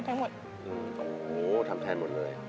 อืมทำแธนหมดเลย